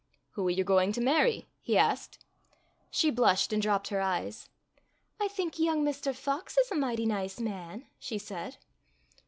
"Who are you going to marry?" he asked. She blushed and dropped her eyes. "I think young Mr. Fox is a mighty nice man," she said.